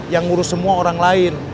yang ngurus semua orang lain